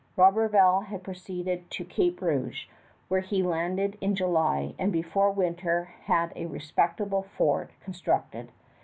Roberval had proceeded to Cape Rouge, where he landed in July, and before winter had a respectable fort constructed.